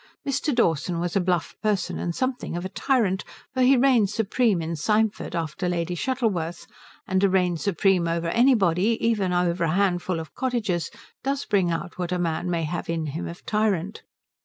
Mr. Dawson was a bluff person, and something of a tyrant, for he reigned supreme in Symford after Lady Shuttleworth, and to reign supreme over anybody, even over a handful of cottagers, does bring out what a man may have in him of tyrant.